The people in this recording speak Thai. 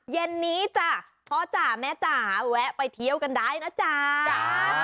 เย็นนี้จ้ะพ่อจ๋าแม่จ๋าแวะไปเที่ยวกันได้นะจ๊ะ